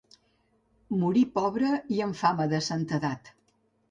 Morí pobre i amb fama de santedat.